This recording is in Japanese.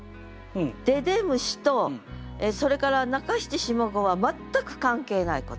「でで虫」とそれから中七下五は全く関係ないこと。